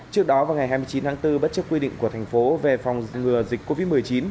trước đó vào ngày hai mươi chín tháng bốn bất chấp quy định của thành phố về phòng ngừa dịch covid một mươi chín